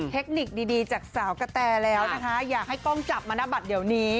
เทคนิคดีจากสาวกะแตแล้วนะคะอยากให้กล้องจับมณบัตรเดี๋ยวนี้